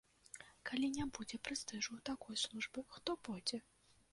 Калі не будзе прэстыжу ў такой службы, то хто пойдзе?